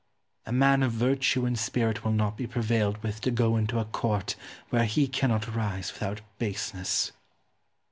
A man of virtue and spirit will not be prevailed with to go into a Court where he cannot rise without baseness.